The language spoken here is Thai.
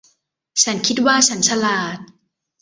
ฉันคิดว่าฉันฉลาด